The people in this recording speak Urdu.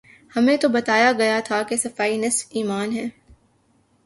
ہمیں تو بتایا گیا تھا کہ صفائی نصف ایمان ہے۔